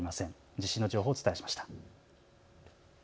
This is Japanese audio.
地震の情報をお伝えしました。